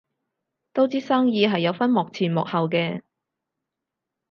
都知生意係有分幕前幕後嘅